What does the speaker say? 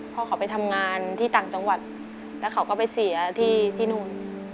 พอเขาไปทำงานที่ต่างจังหวัดแล้วเขาก็ไปเสียที่นู่น